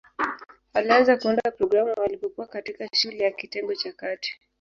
Alianza kuunda programu alipokuwa katikati shule ya kitengo cha kati.